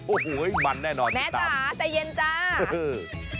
โอ้โฮมันแน่นอนที่ทำแม่จ๋าใจเย็นจ้าฮือ